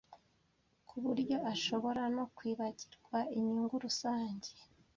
ku buryo ashobora no kwibagirwa inyungu rusange